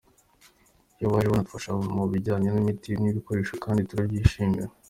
Iyo baje banadufasha mu bijyanye n’imiti n’ibikoresho kandi turabyishimira.